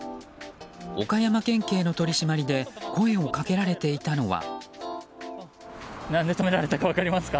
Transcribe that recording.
岡山県警の取り締まりで声を掛けられていたのは。